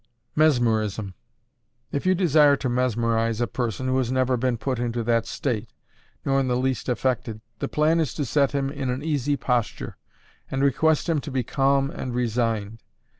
Mesmerism. If you desire to mesmerise a person, who has never been put into that state, nor in the least affected, the plan is to set him in an easy posture, and request him to be calm and resigned.